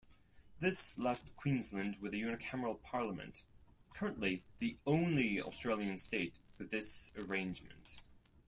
This left Queensland with a unicameral parliament-currently the only Australian state with this arrangement.